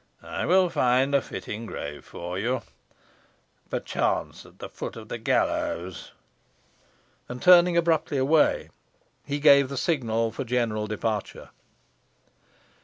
I will find a fitting grave for you, perchance at the foot of the gallows." And, turning abruptly away, he gave the signal for general departure.